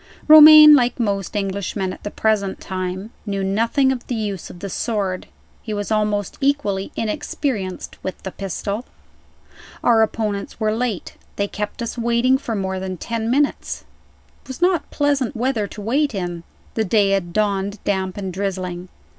Romayne, like most Englishmen at the present time, knew nothing of the use of the sword. He was almost equally inexperienced with the pistol. Our opponents were late. They kept us waiting for more than ten minutes. It was not pleasant weather to wait in. The day had dawned damp and drizzling.